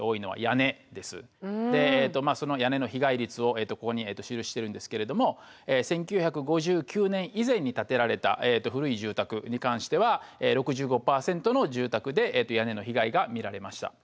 でその屋根の被害率をここに記してるんですけれども１９５９年以前に建てられた古い住宅に関しては６５％の住宅で屋根の被害が見られました。